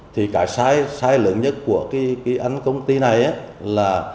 thì cái sai lượng nhất của cái anh công ty này là